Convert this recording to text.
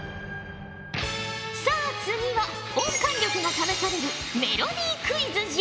さあ次は音感力が試されるメロディクイズじゃ。